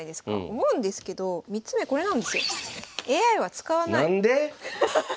思うんですけど３つ目これなんですよ。